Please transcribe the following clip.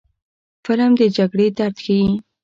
فلم د جګړې درد ښيي